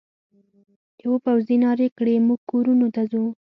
یوه پوځي نارې کړې: موږ کورونو ته ځو.